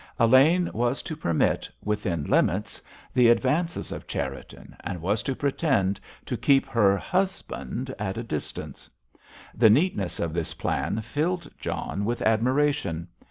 Elaine was to permit—within limits—the advances of Cherriton, and was to pretend to keep her "husband" at a distance! The neatness of this plan filled John with admiration.